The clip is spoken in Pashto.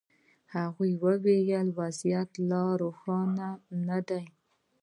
هغوی ویل وضعیت لا روښانه نه دی.